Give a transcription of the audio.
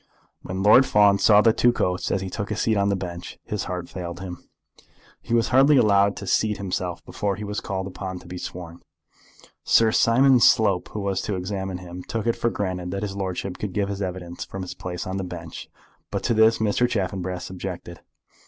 When Lord Fawn saw the two coats as he took his seat on the bench his heart failed him. He was hardly allowed to seat himself before he was called upon to be sworn. Sir Simon Slope, who was to examine him, took it for granted that his lordship could give his evidence from his place on the bench, but to this Mr. Chaffanbrass objected.